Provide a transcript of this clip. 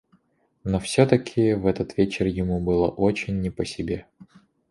Но всё-таки в этот вечер ему было очень не по себе.